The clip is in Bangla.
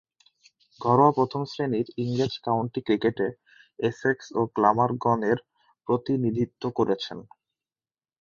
ঘরোয়া প্রথম-শ্রেণীর ইংরেজ কাউন্টি ক্রিকেটে এসেক্স ও গ্ল্যামারগনের প্রতিনিধিত্ব করেছেন।